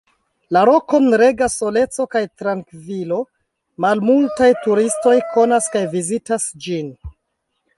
La rokon regas soleco kaj trankvilo; malmultaj turistoj konas kaj vizitas ĝin.